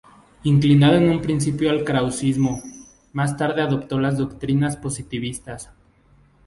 Inclinado en un principio al krausismo, más tarde adoptó las doctrinas positivistas.